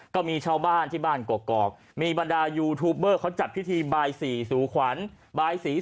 ก็มีเช้าบ้านที่บ้านกรอกกรอกมีบรรดายูทูปเบอร์เขาจัดพิธีบายสีสูขวัญ